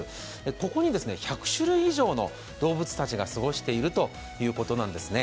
ここに１００種類以上の動物たちが過ごしているということなんですね。